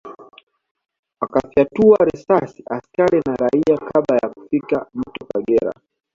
Wakawafyatulia risasi askari na raia kabla ya kufika Mto Kagera